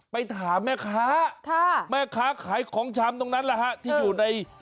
ไปถามแม่ค้าแม่ค้าขายของชำตรงนั้นแหละฮะที่อยู่ใน